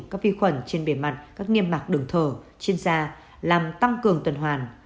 các vi khuẩn trên bề mặt các niêm mạc đường thờ trên da làm tăng cường tuần hoàn